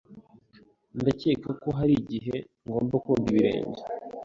Ndakeka ko hari igihe ngomba koga ibirenge.